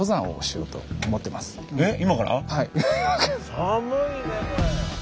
寒いねこれ。